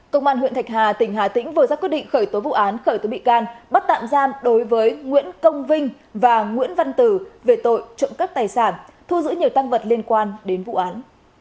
công an huyện thạch hà tỉnh hà tĩnh vừa ra quyết định khởi tố vụ án khởi tố bị can bắt tạm giam đối với nguyễn công vinh và nguyễn văn tử về tội trộm cắp tài sản thu giữ nhiều tăng vật liên quan đến vụ án